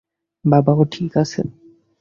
বাবা, ও ঠিকই আছে।